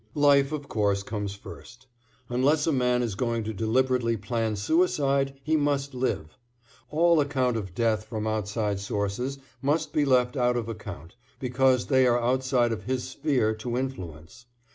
Life, of course, comes first. Unless a man is going to deliberately plan suicide he must live. All account of death from outside sources must be left out of account because they are outside of his sphere to influence.